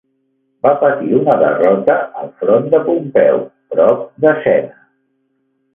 Va patir una derrota enfront de Pompeu prop de Sena.